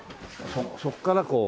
そこからこう。